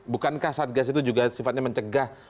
bukankah satgas itu juga sifatnya mencegah